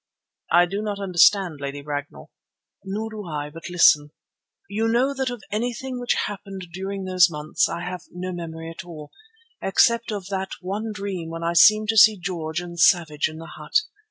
"I do not understand, Lady Ragnall." "Nor do I, but listen. You know that of anything which happened during those months I have no memory at all, except of that one dream when I seemed to see George and Savage in the hut.